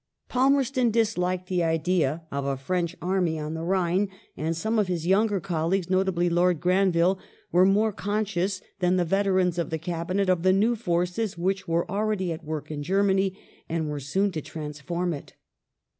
Palmerston disliked the idea of a French army on the Rhine, and some of his younger colleagues, notably Lord Granville, were more conscious than the veterans of the Cabinet of the new forces which were already at work in Germany, and were soon to transform it.